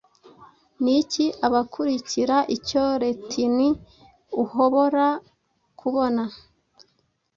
Niki Abakurikira, icyo Retinue uhobora kubona,